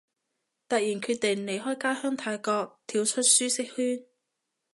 突然決定離開家鄉泰國，跳出舒適圈